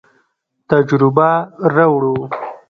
تجربه راوړو.